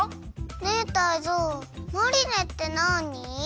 ねえタイゾウマリネってなに？